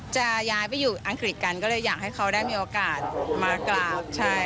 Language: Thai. จะย้ายไปอยู่อังกฤษกันก็เลยอยากให้เขาได้มีโอกาสมากราบใช่